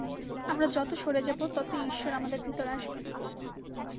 আমরা যত সরে যাব, ততই ঈশ্বর আমাদের ভিতর আসবেন।